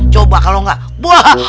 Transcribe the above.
coba kalo enggak buah